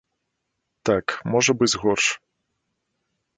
Так, можа быць горш.